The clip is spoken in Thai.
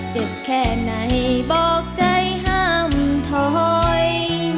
เจ็บแค่ไหนบอกใจห้ามถอย